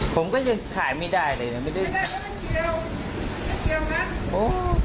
ผมก็ยังขายไม่ได้เลยนะไม่ได้เกี่ยวนิดเดียวนะโอ้